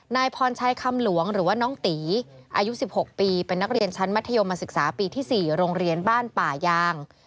นายพรชัยคำหลวงหรือว่าน้องตีอายุ๑๖ปีเป็นนักเรียนชั้นมัธยมศึกษาปีที่๔โรงเรียนบ้านป่ายาง